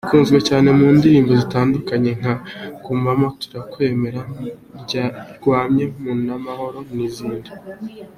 Ikunzwe cyane mu ndirimbo zitandukanye nka “Gumamo , Turakwemera , Ndyamye mu mahoro ” n’izindi.